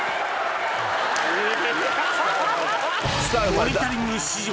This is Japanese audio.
モニタリング史上